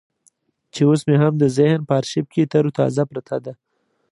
چې اوس مې هم د ذهن په ارشيف کې ترو تازه پرته ده.